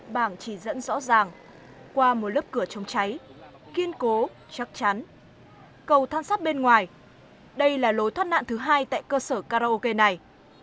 bảng chỉ dẫn rõ ràng qua một lớp cửa chống cháy kiên cố chắc chắn cầu thang sắt bên ngoài đây là lối thoát nạn thứ hai tại cơ sở karaoke này